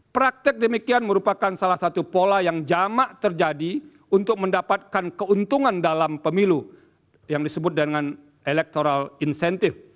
praktek demikian merupakan salah satu pola yang jamak terjadi untuk mendapatkan keuntungan dalam pemilu yang disebut dengan electoral incentive